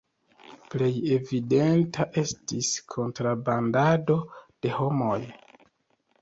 Plej evidenta estis la kontrabandado de homoj.